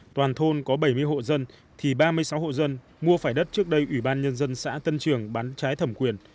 toàn thôn có bảy mươi hộ dân thì ba mươi sáu hộ dân mua phải đất trước đây ủy ban nhân dân xã tân trường bán trái thẩm quyền